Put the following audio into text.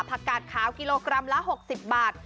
กาดขาวกิโลกรัมละ๖๐บาท